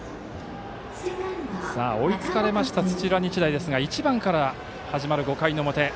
追いつかれました土浦日大ですが１番から始まる５回表。